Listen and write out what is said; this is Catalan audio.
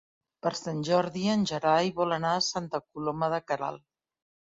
Per Sant Jordi en Gerai vol anar a Santa Coloma de Queralt.